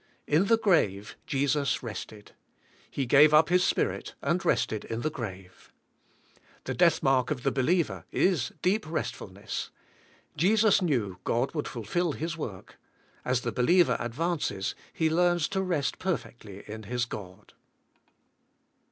In the grave Jesus rested. He gave up His Spirit and rested in the 202 THE SPIRITUAL LIF^. grave. The death mark of the believer is deep rest fulness Jesus knew God would fulfill His work. As the believer advances he learns to rest perfectly in his God.